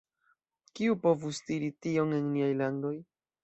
Kiu povus diri tion en niaj landoj?